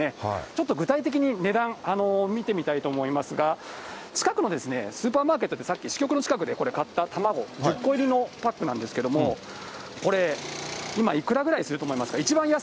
ちょっと具体的に値段見てみたいと思いますが、近くのスーパーマーケットで、さっき支局の近くで買った卵、１０個入りのパックなんですけれども、これ、今、いくらぐらいすると思いますか？